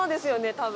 多分。